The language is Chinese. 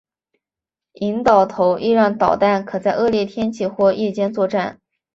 导引头亦让导弹可在恶劣天气或夜间作战。